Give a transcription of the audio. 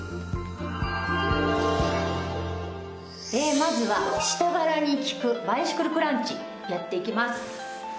まずは下腹に効くバイシクルクランチやっていきます。